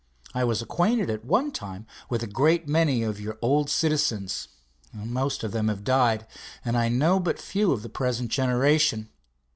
I was acquainted at one time with a great many of your old citizens. Most of them have died, and I know but few of the present generation.